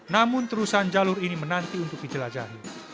namun terusan jalur ini menanti untuk dijelajahi